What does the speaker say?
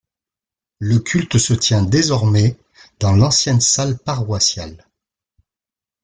Le culte se tient désormais dans l'ancienne salle paroissiale.